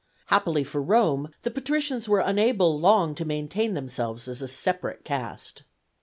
Happily for Rome, the patricians were unable long to maintain themselves as a separate caste.